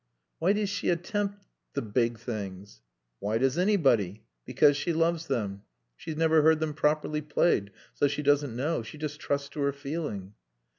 "Why does she attempt the big things?" "Why does anybody? Because she loves them. She's never heard them properly played. So she doesn't know. She just trusts to her feeling."